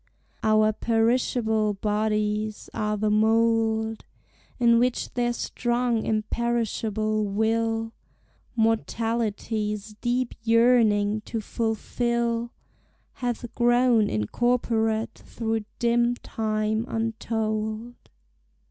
Our perishable bodies are the mould In which their strong imperishable will Mortality's deep yearning to fulfil Hath grown incorporate through dim time untold.